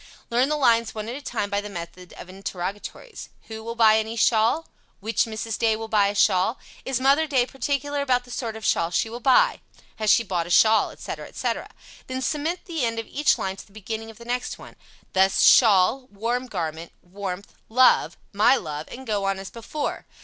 Learn the lines one at a time by the method of interrogatories. "Who will buy any shawl?" "Which Mrs. Day will buy a shawl?" "Is Mother Day particular about the sort of shawl she will buy?" "Has she bought a shawl?" etc., etc. Then cement the end of each line to the beginning of the next one, thus, "Shawl" "warm garment" "warmth" "love" "my love," and go on as before.